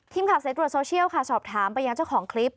สายตรวจโซเชียลค่ะสอบถามไปยังเจ้าของคลิป